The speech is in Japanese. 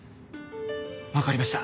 わかりました。